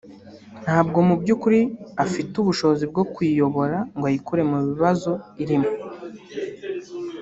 ntabwo mu by’ukuri afite ubushobozi bwo kuyiyobora ngo ayikure mu bibazo irimo